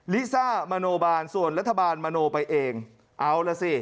ลิซ่ามโนบาลส่วนรัฐบาลมโนไปเองเอาล่ะสิ